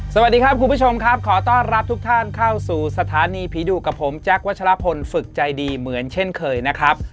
สวัสดีครับคุณผู้ชมครับขอต้อนรับทุกท่านเข้าสู่สถานีผีดุกับผมแจ๊ควัชลพลฝึกใจดีเหมือนเช่นเคยนะครับ